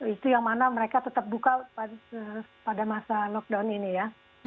itu yang mana mereka tetap buka pada masa lockdown ini ya